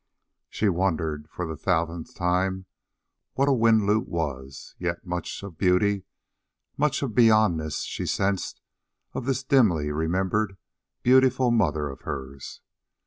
She wondered, for the thousandth time, what a windlute was; yet much of beauty, much of beyondness, she sensed of this dimly remembered beautiful mother of hers.